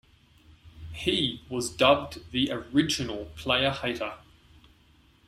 He was dubbed the Original Player Hater.